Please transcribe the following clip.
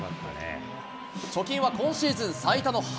貯金は今シーズン最多の８。